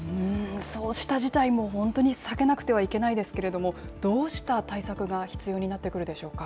そうした事態も本当に避けなくてはいけないですけれども、どうした対策が必要になってくるでしょうか。